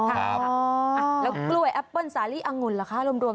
แล้วกล้วยแอปเปิ้ลสาลิอังุณรึคะรวม